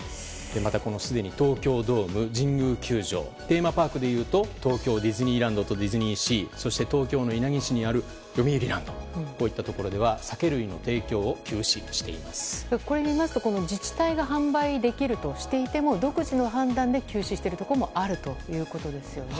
また、すでに東京ドーム神宮球場、テーマパークでいうと東京ディズニーランドとディズニーシー東京の稲城市にあるよみうりランドといったところでは酒類の提供をこう見ますと自治体が販売できるとしていても独自の判断で休止しているところもあるということですよね。